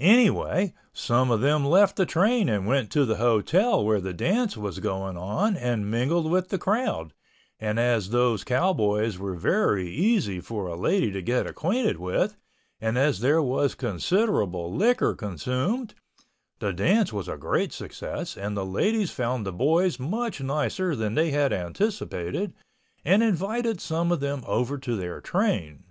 Anyway, some of them left the train and went to the hotel where the dance was going on and mingled with the crowd and as those cowboys were very easy for a lady to get acquainted with and as there was considerable liquor consumed, the dance was a great success and the ladies found the boys much nicer than they had anticipated and invited some of them over to their train.